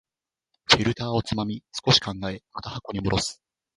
フィルターをつまみ、少し考え、また箱に戻す